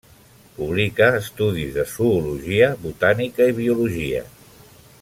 Publica estudis de zoologia, botànica i biologia.